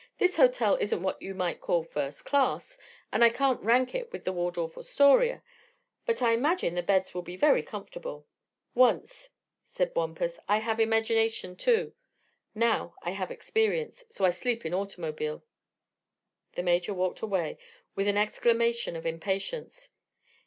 "This hotel isn't what you might call first class, and can't rank with the Waldorf Astoria; but I imagine the beds will be very comfortable." "Once," said Wampus, "I have imagination, too. Now I have experience; so I sleep in automobile." The Major walked away with an exclamation of impatience.